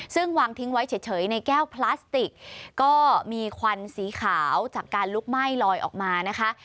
ซึ่งวางทิ้งไว้เฉยในแก้วพลาสติกก็มีควันสีขาวจากการลุกไหม้ลอยออกมานะคะ